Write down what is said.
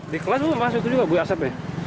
di kelas masuk juga asapnya